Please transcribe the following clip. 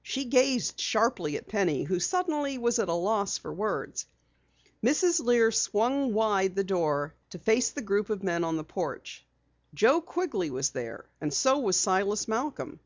She gazed sharply at Penny, who suddenly was at a loss for words. Mrs. Lear swung wide the door to face the group of men on the porch. Joe Quigley was there and so was Silas Malcom.